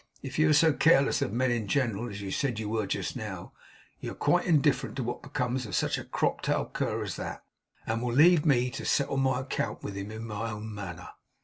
If you are so careless of men in general, as you said you were just now, you are quite indifferent to what becomes of such a crop tailed cur as that, and will leave me to settle my account with him in my own manner.